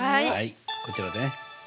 はいこちらね。